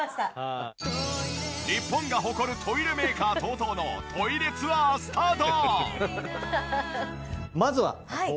日本が誇るトイレメーカーＴＯＴＯのトイレツアースタート！